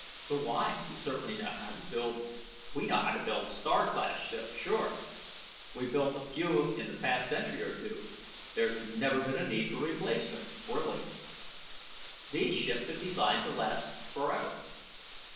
"But why? You certainly know how to build " "We know how to build Star Class ships, sure. We've built a few in the past century or two. There's never been need for replacement, really. These ships are designed to last forever.